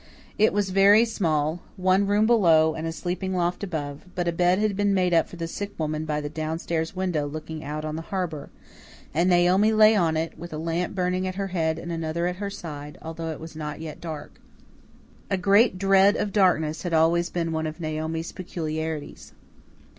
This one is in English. It was very small one room below, and a sleeping loft above; but a bed had been made up for the sick woman by the down stairs window looking out on the harbour; and Naomi lay on it, with a lamp burning at her head and another at her side, although it was not yet dark. A great dread of darkness had always been one of Naomi's peculiarities.